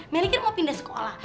meli kan mau pindah sekolah